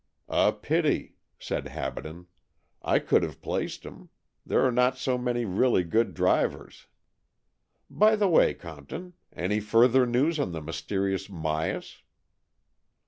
"A pity," said Habaden. "I could have placed him. There are not so many really good drivers. By the way, Compton, any further news of the mysterious Myas?